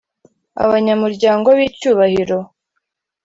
abanyamuryango b’icyubahiro